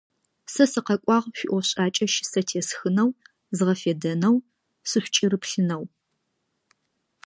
Сэ сыкъэкӏуагъ шъуиӏофшӏакӏэ щысэ тесхынэу, згъэфедэнэу, сышъукӏырыплъынэу.